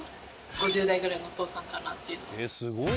５０代ぐらいのお父さんかなって。